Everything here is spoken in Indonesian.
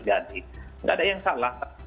jadi tidak ada yang salah